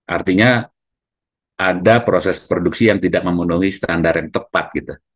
artinya ada proses produksi yang tidak memenuhi standar yang tepat gitu